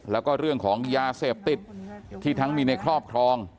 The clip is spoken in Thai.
แล้วก็เรื่องของยาเสพติดที่ทั้งมีในครอบครอง